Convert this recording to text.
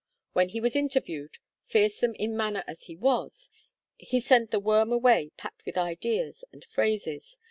When he was interviewed, fearsome in manner as he was, he sent the worm away packed with ideas and phrases.